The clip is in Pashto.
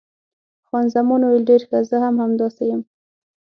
خان زمان وویل، ډېر ښه، زه هم همداسې یم.